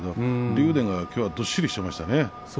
竜電はきょうはどっしりしてましたね。